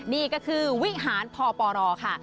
นี่ก็คือวิหารพปรค่ะ